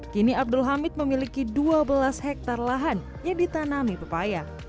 kini abdul hamid memiliki dua belas hektare lahan yang ditanami pepaya